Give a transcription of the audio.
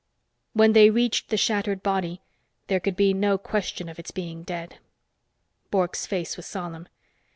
When they reached the shattered body, there could be no question of its being dead. Bork's face was solemn.